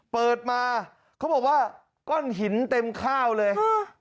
เปิดมาเขาบอกว่าก้อนหินเต็มข้าวเลย